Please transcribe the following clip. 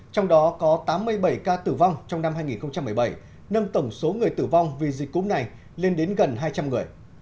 trong đó có tám mươi bảy ca tử vong trong năm hai nghìn một mươi bảy nâng tổng số người tử vong vì dịch cúm này lên đến gần hai trăm linh người